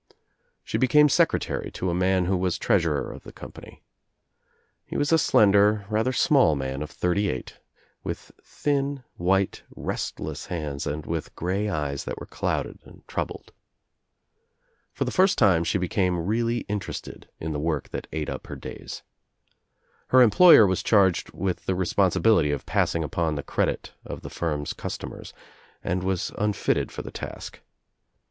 She became secretary to a man who i was treasurer of the company. He was a slender, i rather small man of thirty eight with thin white rest less hands and with gray eyes that were clouded and troubled. For the first time she became really inter ested in the work that ate up her days. Her employer was charged with the responsibility of passing upon the credit of the firm's customers and was unfitted for the task.